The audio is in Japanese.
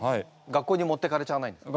学校に持ってかれちゃわないんですか？